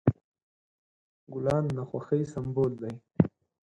ګلان د خوښۍ سمبول دي.